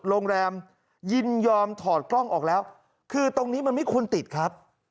โรงแรมยินยอมถอดกล้องออกแล้วคือตรงนี้มันไม่ควรติดครับ